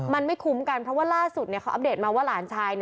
มันไม่คุ้มกันเพราะว่าล่าสุดเขาอัปเดตมาว่าหลานชาย